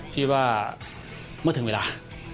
คิดว่าเมื่อถึงเวลา